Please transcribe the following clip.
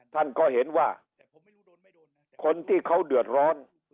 ท่านก็เห็นว่าคนที่เขาเดือดร้อน